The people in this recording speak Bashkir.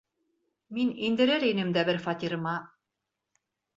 Мин индерер инем дә бер фатирыма.